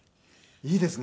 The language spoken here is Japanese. いいですね。